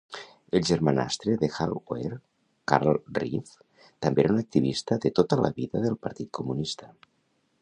El germanastre de Hal Ware, Carl Reeve, també era un activista de tota la vida del Partit Comunista.